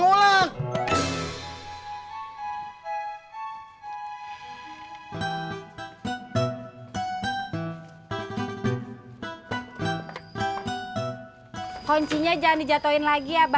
gue kakek jadi nunggu